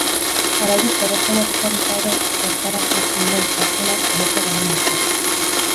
Araurik zorrotzenak ezarrita ere, hortara jartzen den pertsonak edozer egin dezake.